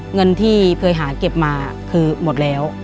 เงินที่เคยหาเก็บมาคือหมดแล้ว